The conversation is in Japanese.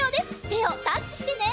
てをタッチしてね！